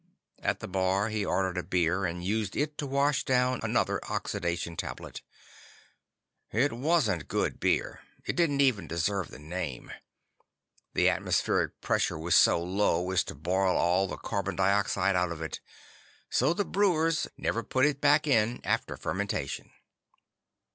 At the bar, he ordered a beer and used it to wash down another oxidation tablet. It wasn't good beer; it didn't even deserve the name. The atmospheric pressure was so low as to boil all the carbon dioxide out of it, so the brewers never put it back in after fermentation.